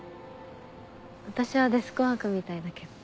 私はデスクワークみたいだけど。